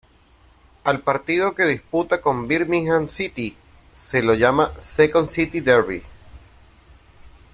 Al partido que disputa con Birmingham City se lo llama ""Second City derby"".